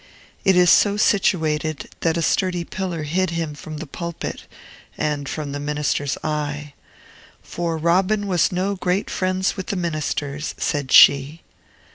It is so situated, that a sturdy pillar hid him from the pulpit, and from the minister's eye; "for Robin was no great friends with the ministers," said she.